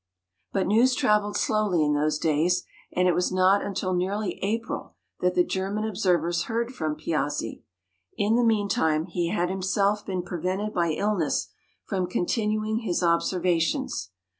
But news travelled slowly in those days, and it was not until nearly April that the German observers heard from Piazzi. In the meantime, he had himself been prevented by illness from continuing his observations.